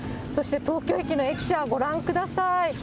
そして東京駅の駅舎、ご覧ください。